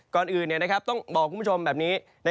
ก่อนอื่นต้องบอกคุณผู้ชมแบบนี้